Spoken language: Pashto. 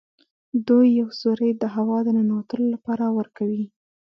دوی یو سوری د هوا د ننوتلو لپاره ورکوي.